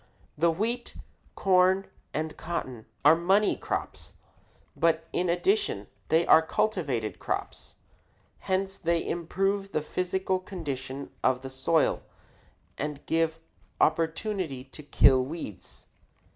The wheat, corn, and cotton are money crops, but in addition they are cultivated crops; hence they improve the physical condition of the soil and give opportunity to kill weeds.